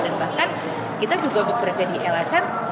dan bahkan kita juga bekerja di lsm